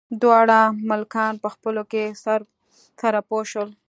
دواړه ملکان په خپلو کې سره پوه شول.